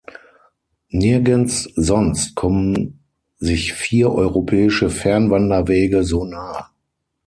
Nirgends sonst kommen sich vier Europäische Fernwanderwege so nahe.